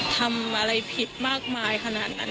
ทำอะไรผิดมากมายขนาดนั้น